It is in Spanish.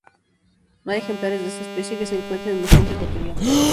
No hay ejemplares de esta especie que se encuentren en museos ecuatorianos.